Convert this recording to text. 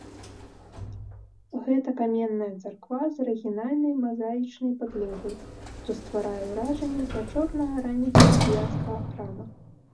Гэта каменная царква з арыгінальнай мазаічнай падлогай, што стварае ўражанне пячорнага раннехрысціянскага храма.